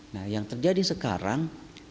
nah yang terjadi sekarang